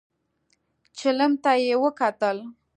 چيلم ته يې وکتل.